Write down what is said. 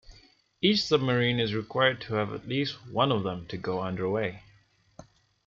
Each submarine is required to have at least one of them to go underway.